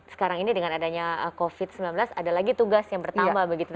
sekarang ini dengan adanya covid sembilan belas ada lagi tugas yang pertama begitu